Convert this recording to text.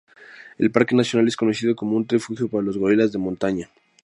El parque nacional es conocido como un refugio para los gorilas de montaña.